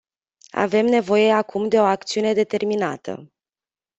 Avem nevoie acum de o acțiune determinată.